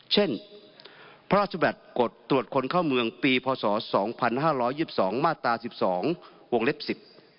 เช่นพระราชบัตรกฎตรวจคนเข้าเมืองปีพศ๒๕๒๒มาตรา๑๒วงฤทธิ์๑๐